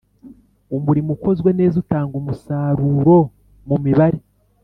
umurimo ukozwe neza utanga umusaruromu mibare